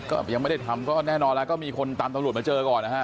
ก็ยังไม่ได้ทำก็แน่นอนแล้วก็มีคนตามตำรวจมาเจอก่อนนะฮะ